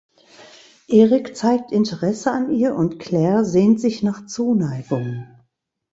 Eric zeigt Interesse an ihr und Claire sehnt sich nach Zuneigung.